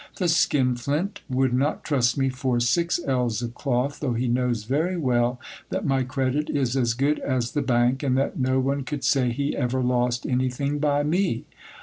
The skinflint would not trust me for six ells of cloth, though he knows very well that my credit is as good as the bank, and that no one could say he ever lost anything by me.